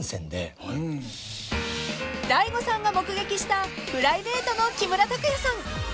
［大悟さんが目撃したプライベートの木村拓哉さん］